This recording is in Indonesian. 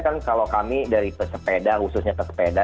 kan kalau kami dari pesepeda khususnya pesepeda